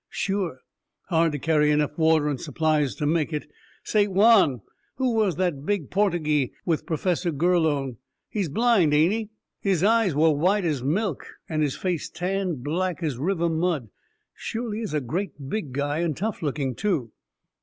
"Sure. Hard to carry enough water and supplies to make it. Say, Juan, who was that big Portuguee with Professor Gurlone? He's blind, ain't he? His eyes were white as milk, and his face tanned black as river mud. Surely is a great big guy, and tough looking, too."